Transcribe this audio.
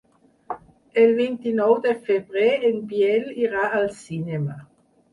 El vint-i-nou de febrer en Biel irà al cinema.